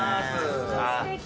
すてき。